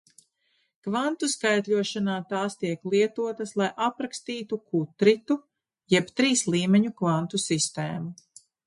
Kvantu skaitļošanā tās tiek lietotas, lai aprakstītu kutritu jeb trīs līmeņu kvantu sistēmu.